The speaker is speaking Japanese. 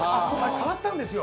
変わったんですよ。